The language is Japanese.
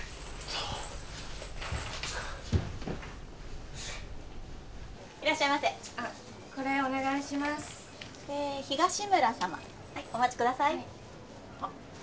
はいお待ちくださいあっ